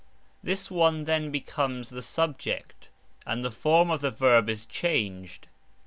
This one then becomes the subject, and the form of the Verb is changed.